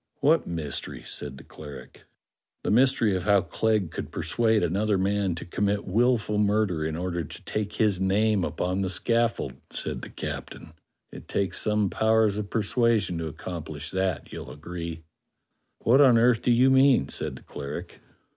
"What mystery?" said the cleric. "The mystery of how Clegg could persuade another man to commit wilful murder in order to take his name upon the scaffold," said the captain. "It takes some powers of persuasion to accomplish that, you'll agree." "What on earth do you mean? " said the cleric.